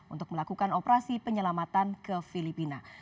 untuk melakukan operasi penyelamatan ke filipina